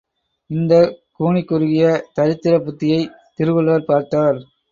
இந்தக் கூனிக்குறுகிய தரித்திர புத்தியைத் திருவள்ளுவர் பார்த்தார்.